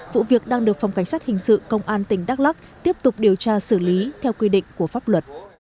vụ việc đang được phòng cảnh sát hình sự công an tỉnh đắk lắc tiếp tục điều tra xử lý theo quy định của pháp luật